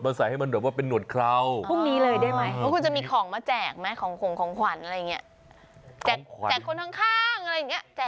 แจกคนข้างอะไรอย่างนี้